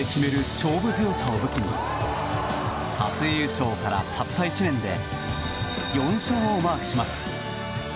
勝負強さを武器に初優勝からたった１年で４勝をマークします。